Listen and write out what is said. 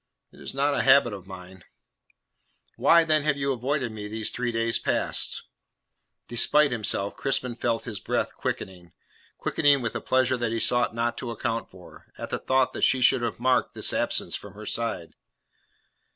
"It is not a habit of mine." "Why, then, have you avoided me these three days past?" Despite himself Crispin felt his breath quickening quickening with a pleasure that he sought not to account for at the thought that she should have marked his absence from her side.